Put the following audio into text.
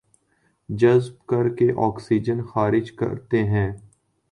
جذب کرکے آکسیجن خارج کرتے ہیں